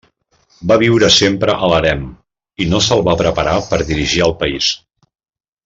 Va viure sempre a l'harem i no se'l va preparar per dirigir al país.